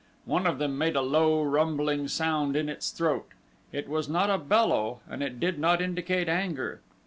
One of them made a low, rumbling sound in its throat. It was not a bellow and it did not indicate anger.